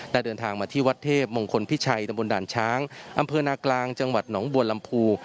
เดินทางมาที่วัดเทพมงคลพิชัยตำบลด่านช้างอำเภอนากลางจังหวัดหนองบัวลำพู